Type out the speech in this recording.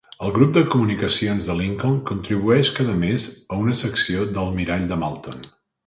El Grup de comunicacions de Lincoln contribueix cada mes a una secció de "El mirall de Malton".